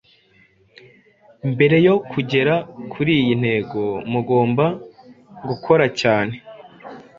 mbere yo kugera kuriyi ntego mugomba gukora cyane